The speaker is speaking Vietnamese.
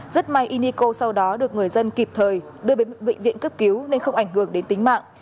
rất may inco sau đó được người dân kịp thời đưa đến bệnh viện cấp cứu nên không ảnh hưởng đến tính mạng